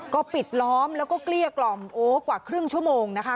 ก็ปิดล้อมแล้วก็เกลี้ยกล่อมโอ้กว่าครึ่งชั่วโมงนะคะ